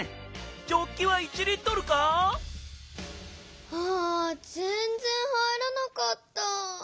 ジョッキは１Ｌか⁉あぜんぜん入らなかった。